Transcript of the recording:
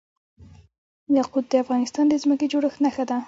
یاقوت د افغانستان د ځمکې د جوړښت نښه ده.